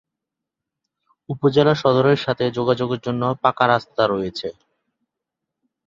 উপজেলা সদরের সাথে যোগাযোগের জন্য পাঁকা রাস্তা রয়েছে।